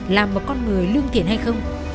làm một con người lương thiện hay không